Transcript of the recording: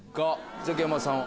ザキヤマさん。